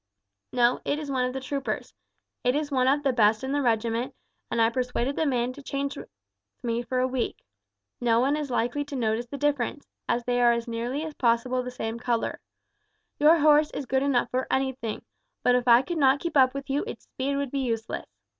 "No, it is one of the troopers'. It is one of the best in the regiment, and I persuaded the man to change with me for a week. No one is likely to notice the difference, as they are as nearly as possible the same colour. Your horse is good enough for anything; but if I could not keep up with you its speed would be useless.